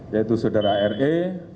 yaitu saudara re